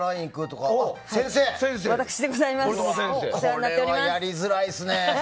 これはやりづらいですね。